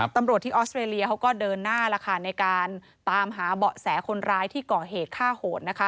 ตำรวจที่ออสเตรเลียเขาก็เดินหน้าในการตามหาเบาะแสคนร้ายที่ก่อเหตุฆ่าโหดนะคะ